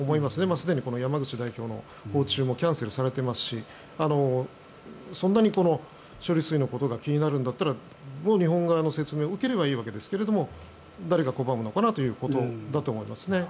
すでに山口代表の訪中もキャンセルされていますしそんなに処理水のことが気になるんだったら日本側の説明を受ければいいわけですが誰が拒むのかなということだと思います。